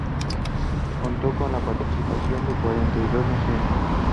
Contó con la participación de cuarenta y dos naciones.